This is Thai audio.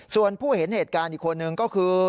ส่วนผู้เห็นเหตุการณ์อีกคนนึงก็คือ